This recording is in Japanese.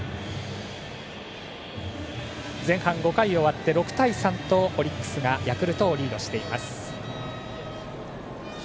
前半５回が終わって６対３とオリックスがヤクルトをリードしています。